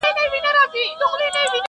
نجلۍ له شرمه پټه ساتل کيږي.